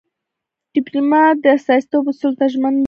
ډيپلومات د استازیتوب اصولو ته ژمن وي.